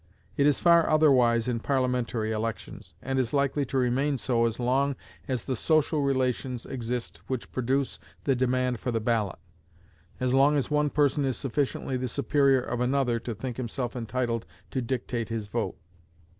It is far otherwise in Parliamentary elections, and is likely to remain so as long as the social relations exist which produce the demand for the ballot as long as one person is sufficiently the superior of another to think himself entitled to dictate his vote.